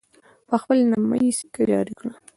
په خپل نامه یې سکه جاري کړه.